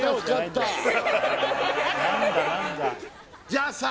じゃあさ